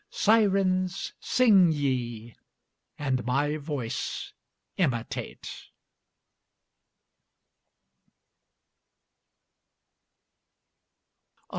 Sirens, sing ye, and my voice imitate!